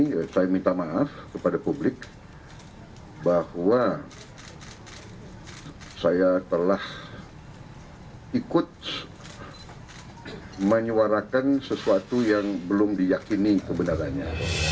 saya minta maaf kepada publik bahwa saya telah ikut menyuarakan sesuatu yang belum diyakini kebenarannya